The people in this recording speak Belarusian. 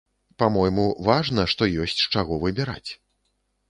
Па-мойму, важна, што ёсць з чаго выбіраць.